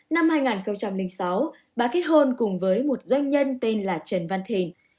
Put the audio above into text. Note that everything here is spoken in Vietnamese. năm hai nghìn sáu bà kết hôn cùng với một doanh nhân tên là trần văn thình